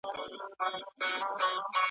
اوسيدل پکښي بچي میندي پلرونه ,